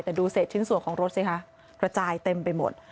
แต่ดูเศษชิ้นส่วนของรถสิคะกระจายเต็มไปหมด